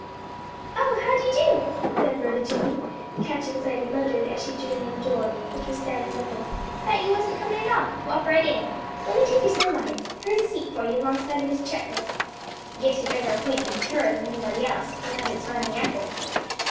"Oh, how d'ye do?" said Rhoda Jane, catching sight of Mildred as she drew near the door, which was standing open; "thought you wasn't comin' at all. Walk right in. Let me take your sunbonnet. Here's a seat for you 'long side of Miss Chetwood. Guess you're better acquainted with her than any body else, without it's Viny Apple.